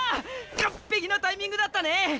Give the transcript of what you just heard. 完璧なタイミングだったね！